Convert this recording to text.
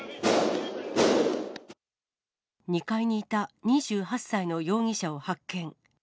２階にいた２８歳の容疑者を発見。